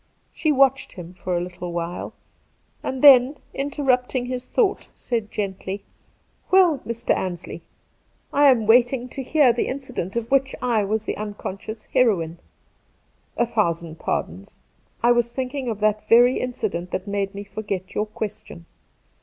She watched him for a little while, and then, interrupting his thought, said gently :' Well, Mr. Ansley, I am waiting to hear the incident of which I was the unconscious heroine.' ' A thousand pardons. It was thinking of that very incident that made me forget your question.